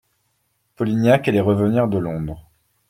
Polignac allait revenir de Londres.